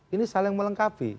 ini saling melengkapi